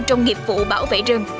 trong nghiệp vụ bảo vệ rừng